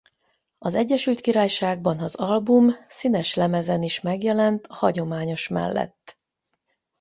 Az Egyesült Királyságban az album színes lemezen is megjelent a hagyományos mellett.